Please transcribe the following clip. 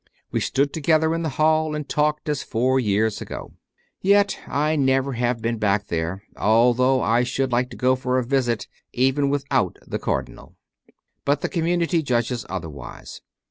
We stood together in the hall and talked as four years ago. Yet I never have been back there, although I should like to go for a visit, even without the Cardinal; but the community judges otherwise.